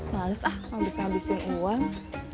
males ah abis abisin uang